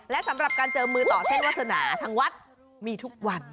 และสำหรับการเจอมือต่อเส้นวาสนาทางวัดมีทุกวัน